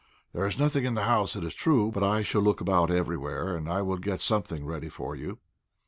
"There is nothing in the house, it is true; but I shall look about everywhere, and I will get something ready for you."